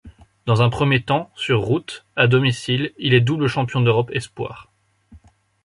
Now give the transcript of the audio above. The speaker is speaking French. Dans un premier temps, sur route, à domicile, il est double champion d'Europe espoirs.